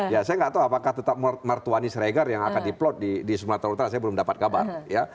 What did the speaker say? ya saya nggak tahu apakah tetap martuani sregar yang akan diplot di sumatera utara saya belum dapat kabar ya